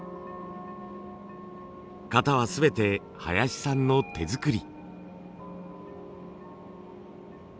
型は全て林さんの手作り。